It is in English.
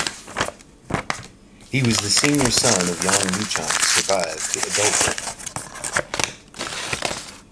He was the senior son of Yang Luchan to survive to adulthood.